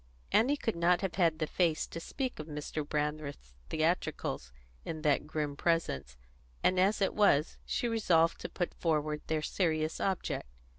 Annie could not have had the face to speak of Mr. Brandreth's theatricals in that grim presence; and as it was, she resolved to put forward their serious object.